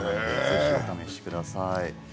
ぜひお試しください。